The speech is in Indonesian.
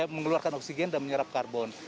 mengeluarkan oksigen dan menyerap karbon